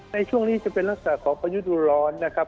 ในช่วงนี้จะเป็นลักษณะของพายุดูร้อนนะครับ